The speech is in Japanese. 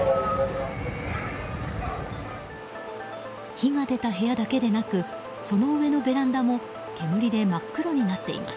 火が出た部屋だけでなくその上のベランダも煙で真っ黒になっています。